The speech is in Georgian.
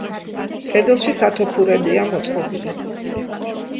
კედელში სათოფურებია მოწყობილი.